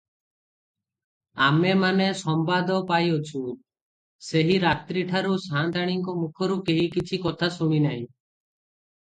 ଆମେମାନେ ସମ୍ବାଦ ପାଇଅଛୁ, ସେହି ରାତ୍ରିଠାରୁ ସାଆନ୍ତାଣୀଙ୍କ ମୁଖରୁ କେହି କିଛି କଥା ଶୁଣି ନାହିଁ ।